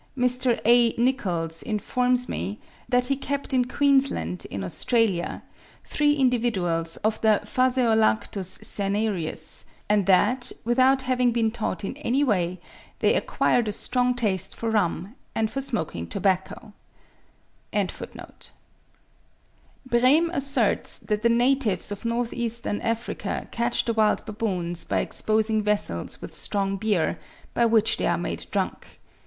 Mr. A. Nichols informs me that he kept in Queensland, in Australia, three individuals of the Phaseolarctus cinereus; and that, without having been taught in any way, they acquired a strong taste for rum, and for smoking tobacco.) Brehm asserts that the natives of north eastern Africa catch the wild baboons by exposing vessels with strong beer, by which they are made drunk.